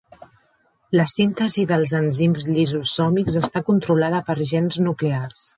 La síntesis dels enzims lisosòmics està controlada por gens nuclears.